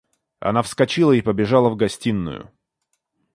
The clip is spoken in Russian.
Она вскочила и побежала в гостиную.